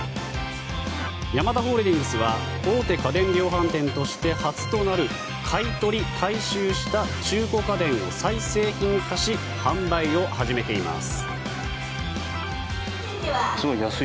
ヤマダホールディングスは大手家電量販店として初となる買い取り・回収した中古家電を再製品化し販売を始めています。